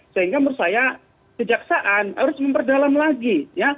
sehingga menurut saya kejaksaan harus memperdalam lagi